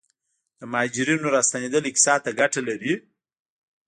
د مهاجرینو راستنیدل اقتصاد ته ګټه لري؟